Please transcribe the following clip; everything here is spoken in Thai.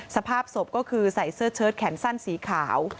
สภาพศพก็คือใส่เสื้อเชิดแขนสั้นสีขาว